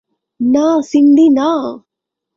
না, সিন্ডি না!